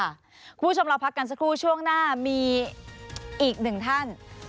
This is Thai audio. คุณผู้ชมเราพักกันสักครู่ช่วงหน้ามีอีกหนึ่งท่าน